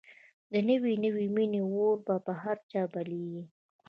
د نوې نوې مینې اور به په هر چا بلېږي